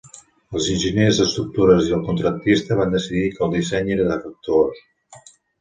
Els enginyers d'estructures i el contractista van decidir que el disseny era defectuós.